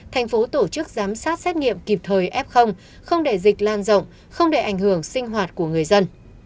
thành phố tổ chức giám sát xét nghiệm kịp thời f không để dịch lan rộng không để ảnh hưởng sinh hoạt của người dân